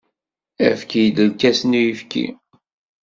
Efk-iyi-d lkas n uyefki.